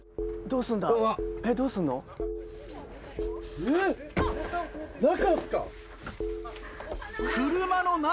どうすんの？